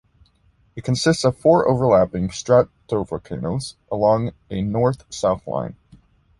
It consists of four overlapping stratovolcanoes along a north-south line.